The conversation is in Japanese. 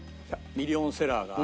ミリオンセラーが。